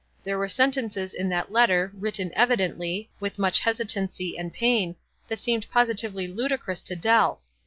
There were sentences in that letter, written evidently, with much hesitancy and pain, that seemed pos itively ludicrous to Dell.